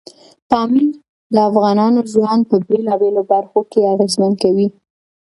پامیر د افغانانو ژوند په بېلابېلو برخو کې اغېزمن کوي.